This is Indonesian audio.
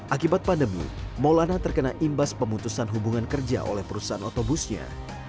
akibat pandemi maulana terkena imbas pemutusan hubungan kerja oleh perusahaan otobusnya